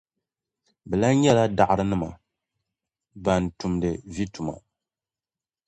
Bɛ lan nyɛla daɣirinim’ bɛn tumdi vi tuma.